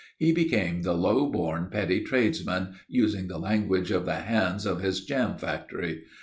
He became the low born, petty tradesman, using the language of the hands of his jam factory.